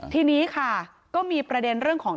ทีนี้ค่ะก็มีประเด็นเรื่องของ